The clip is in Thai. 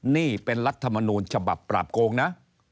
นี่เป็นรัฐมนูลฉบับปราบโกงนะ